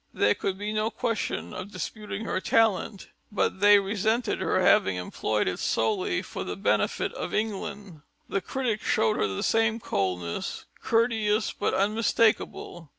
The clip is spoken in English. There could be no question of disputing her talent, but they resented her having employed it solely for the benefit of England. The critics showed her the same coldness, courteous but unmistakable.